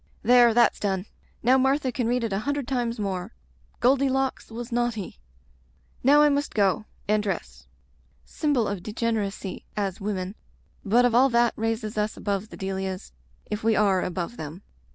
... There, that's done. Now, Mar tha can read it a hundred times more — 'Goldilocks was naughty.' "Now I must go — ^and dress. Symbol of degeneracy, as women; but of all that raises us above the Delias, if we are above them."